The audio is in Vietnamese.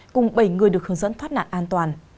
cùng bảy người được hướng dẫn thoát nạn an toàn